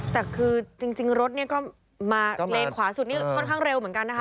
แต่คือจริงรถเนี่ยก็มาเลนขวาสุดนี่ค่อนข้างเร็วเหมือนกันนะคะ